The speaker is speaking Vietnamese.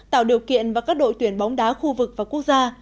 tạo điều kiện và các đội tuyển bóng đá khu vực và quốc gia